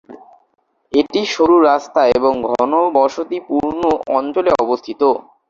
এটি সরু রাস্তা এবং ঘনবসতিপূর্ণ অঞ্চলে অবস্থিত।